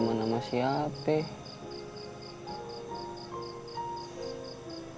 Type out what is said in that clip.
jangan sepenuhnya minta bantuan